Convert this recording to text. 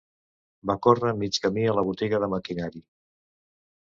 Va córrer mig camí a la botiga de maquinari.